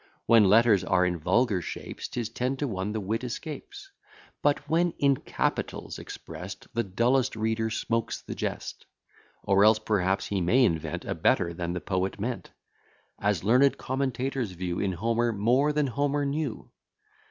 When letters are in vulgar shapes, 'Tis ten to one the wit escapes: But, when in capitals express'd, The dullest reader smokes the jest: Or else perhaps he may invent A better than the poet meant; As learned commentators view In Homer more than Homer knew.